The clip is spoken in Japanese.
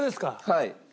はい。